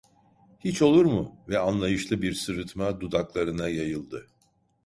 "Hiç olur mu?" ve anlayışlı bir sırıtma dudaklarına yayıldı.